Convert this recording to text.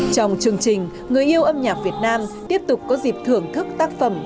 trong chương trình người yêu âm nhạc việt nam tiếp tục có dịp thưởng thức tác phẩm